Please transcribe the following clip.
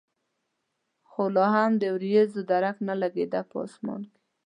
خو لا هم د ورېځو درک نه لګېده په اسمان کې.